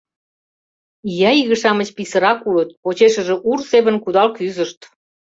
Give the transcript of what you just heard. Ия иге-шамыч писырак улыт, почешыже ур семын кудал кӱзышт.